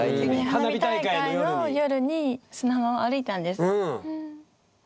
花火大会の夜に砂浜を歩いたんです。